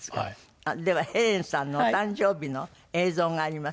ではヘレンさんのお誕生日の映像があります。